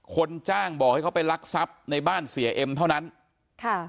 คนจ้างบอกให้เขาไปรักทรัพย์ในบ้านเสียเอ็มเท่านั้นค่ะ